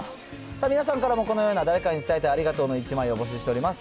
皆さんからもこのような誰かに伝えたいありがとうの１枚を募集しております。